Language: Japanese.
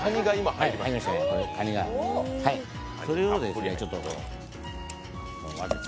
それを混ぜて。